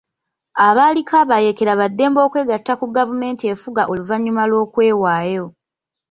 Abaaliko abayeekera baddembe okwegatta ku gavumenti efuga oluvannyuma lw'okwewaayo.